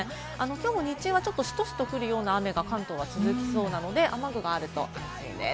きょう日中はしとしと降るような雨が、関東は続きそうなので、雨具があると安心です。